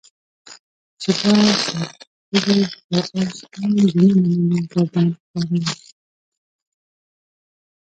چې دا سرکوزی خو اوس هم د نه منلو ګردان تکراروي.